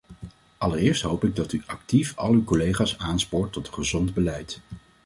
Allereerst hoop ik dat u actief al uw collega's aanspoort tot een gezond beleid.